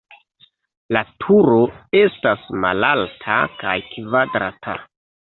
La turo estas malalta kaj kvadrata.